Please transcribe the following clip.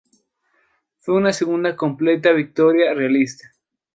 Fue una segunda completa victoria realista.